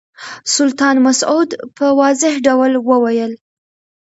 سلطان مسعود په واضح ډول وویل.